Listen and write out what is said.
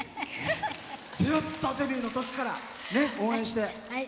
ずっとデビューのときから応援して。